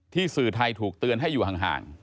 สื่อไทยถูกเตือนให้อยู่ห่าง